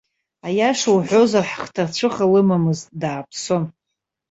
Аиаша уҳәозар, хҭацәыха лымамызт, дааԥсон.